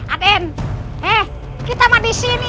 aden kita mau di sini